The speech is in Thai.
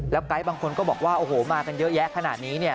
ไกด์บางคนก็บอกว่าโอ้โหมากันเยอะแยะขนาดนี้เนี่ย